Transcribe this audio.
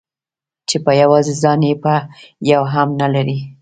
چې په يوازې ځان يې يو هم نه لري.